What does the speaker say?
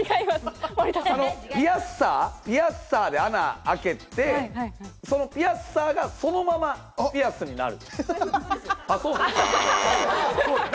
ピアッサーで穴開けて、ピアッサーがそのままピアスになる。